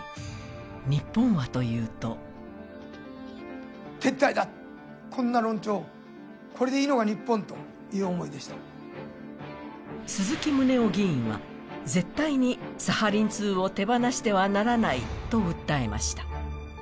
日本はというと鈴木宗男議員は絶対にサハリン２を手放してはならないと訴えました。